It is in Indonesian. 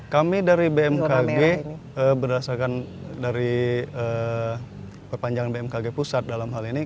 kami dari bmkg berdasarkan dari perpanjangan bmkg pusat dalam hal ini